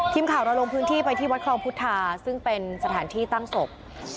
ทีมข่าวเราลงพื้นที่ไปที่วัดคลองพุทธาซึ่งเป็นสถานที่ตั้งศพ